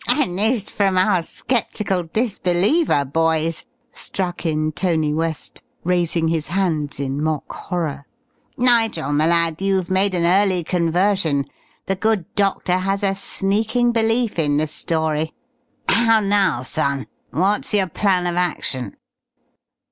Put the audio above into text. "And this from our sceptical disbeliever, boys!" struck in Tony West, raising his hands in mock horror. "Nigel, m'lad, you've made an early conversion. The good doctor has a sneaking belief in the story. How now, son? What's your plan of action?"